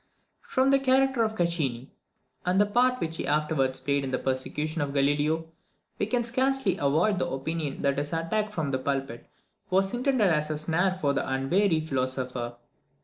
From the character of Caccini, and the part which he afterwards played in the persecution of Galileo, we can scarcely avoid the opinion that his attack from the pulpit was intended as a snare for the unwary philosopher.